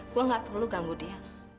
gue gak perlu ganggu dia